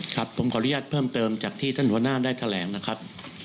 ครับผมขออนุญาตเพิ่มเติมจากที่ท่านหัวหน้าได้แถลงนะครับ